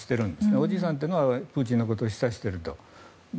おじいさんというのはプーチンのことを示唆していると。